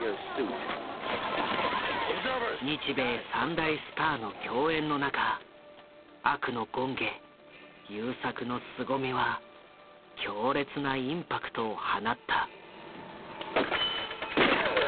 日米３大スターの競演の中悪の権化優作のすごみは強烈なインパクトを放った。